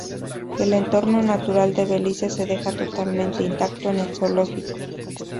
El entorno natural de Belice se deja totalmente intacto en el zoológico.